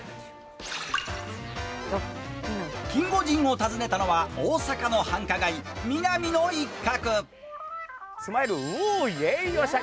キンゴジンを訪ねたのは大阪の繁華街、ミナミの一角。